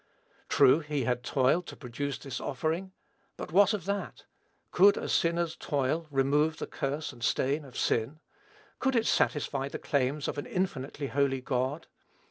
True, he had toiled to produce this offering; but what of that? Could a sinner's toil remove the curse and stain of sin? Could it satisfy the claims of an infinitely holy God?